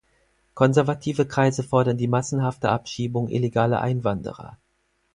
Konservative Kreise fordern die massenhafte Abschiebung illegaler Einwanderer.